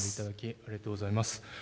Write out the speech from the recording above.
ありがとうございます。